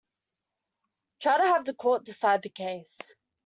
Try to have the court decide the case.